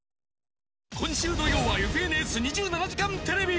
今週土曜は「ＦＮＳ２７時間テレビ」。